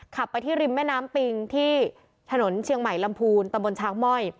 ขับไปที่ริมแม่น้ำปิงที่ถนนเชียงใหม่ลำพูนตำบลช้างม่อย